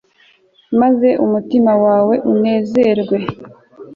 maze umutima wawe unezerwe